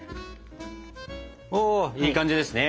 いい感じですね。